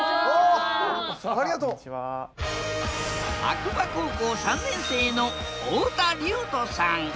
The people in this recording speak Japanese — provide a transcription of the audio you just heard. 白馬高校３年生の太田硫斗さん。